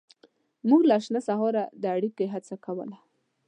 موږ له شنه سهاره د اړیکې هڅه کوله.